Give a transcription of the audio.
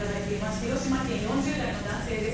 広島県、４０代の男性です。